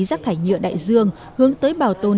rác thải nhựa đại dương hướng tới bảo tồn